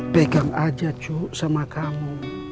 pegang aja cuk sama kamu